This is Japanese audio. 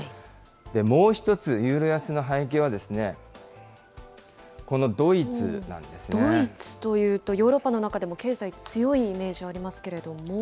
もう一つ、ユーロ安の背景は、ドイツというと、ヨーロッパの中でも経済強いイメージありますけれども。